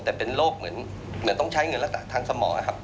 แต่เป็นโรคเหมือนต้องใช้เงินรักษาทางสมองครับ